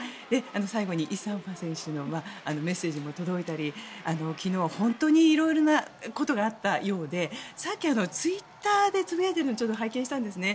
最後にイ・サンファ選手のメッセージも届いたり昨日は本当に色々なことがあったようでさっきツイッターでつぶやいているのを拝見したんですね。